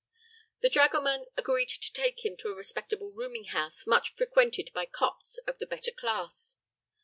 The dragoman agreed to take him to a respectable rooming house much frequented by Copts of the better class.